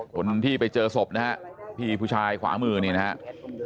คนที่ไปเจอศพนะฮะพี่ผู้ชายขวามือนี่นะครับ